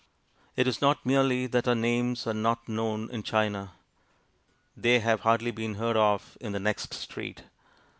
It is not merely that our names are not known in China they have hardly been heard of in the next street.